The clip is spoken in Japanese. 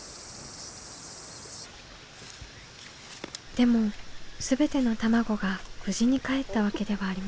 でも全ての卵が無事にかえったわけではありませんでした。